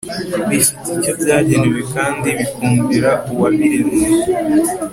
bifite icyo byagenewe kandi bikumvira uwabiremye